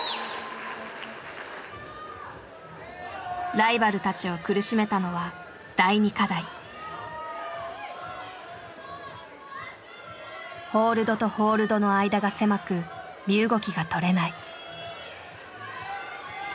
ライバルたちを苦しめたのはホールドとホールドの間が狭く身動きがとれない。